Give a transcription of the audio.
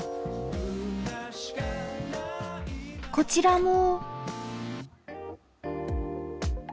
こちらも。